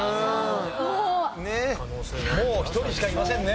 もう１人しかいませんね。